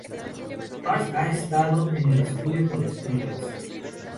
Mars ha estado en el estudio con Skrillex.